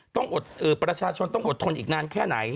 ประชาชนต้องอดทนอีกนานแค่ไหน